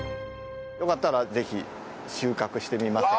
よかったらぜひ収穫してみませんか？